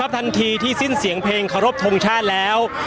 ทันทีที่สิ้นเสียงเพลงเคารพทงชาติแล้ว